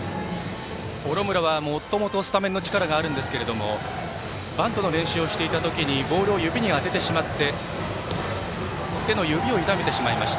幌村は、もともとスタメンの力があるんですけどバントの練習をしていた時にボールを指に当ててしまって手の指を痛めてしまいました。